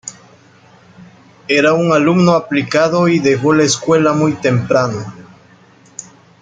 Era un alumno aplicado y dejó la escuela muy temprano.